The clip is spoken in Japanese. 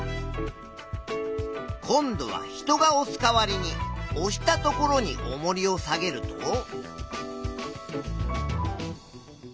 今度は人がおす代わりにおしたところにおもりを下げると。